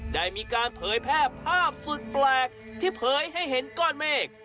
ได้มีการเผยแพร่ภาพสุดแปลกที่เผยให้เห็นก้อนเมฆ